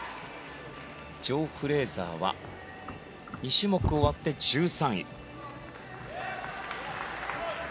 ジョー・フレーザーは２種目終わって１３位。